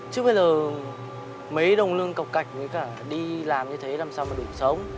chứ bây giờ mấy đồng lương cọc cạch với cả đi làm như thế làm sao mà được sống